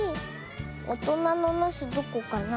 おとなのなすどこかな？